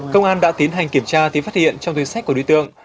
công an đã tiến hành kiểm tra thì phát hiện trong túi sách của đối tượng